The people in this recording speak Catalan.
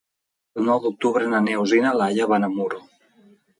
El nou d'octubre na Neus i na Laia van a Muro.